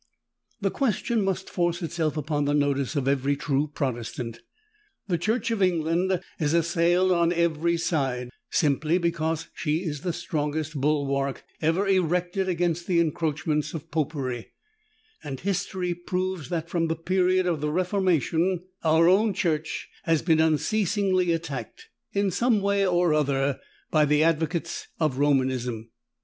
The question must force itself upon the notice of every true Protestant. The Church of England is assailed on every side, simply because she is the strongest bulwark ever erected against the encroachments of Popery: and history proves that, from the period of the Reformation, our own Church has been unceasingly attacked, in some way or other, by the advocates of Romanism.